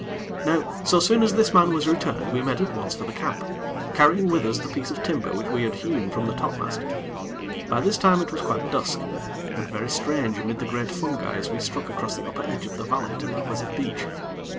Now so soon as this man was returned, we made at once for the camp, carrying with us the piece of timber which we had hewn from the topmast. By this time it was quite dusk, and very strange amid the great fungi as we struck across the upper edge of the valley to the opposite beach.